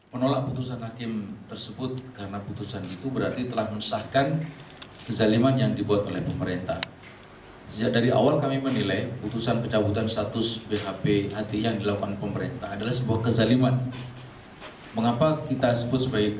kita katakan sebagai kesualiman karena keputusan itu dibuat tanpa dasar